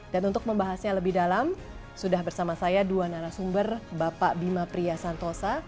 dan untuk membahasnya lebih dalam sudah bersama saya dua narasumber bapak bima priya santosa